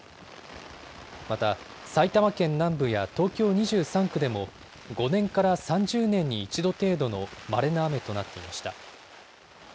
また、埼玉県南部や東京２３区でも、５年から３０年に１度程度のまれな雨となっていました。